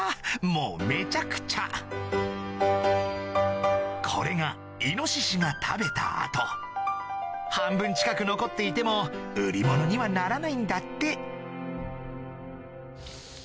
もうめちゃくちゃこれがイノシシが食べた跡半分近く残っていても売り物にはならないんだって